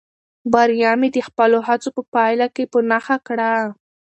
بریا مې د خپلو هڅو په پایله کې په نښه کړه.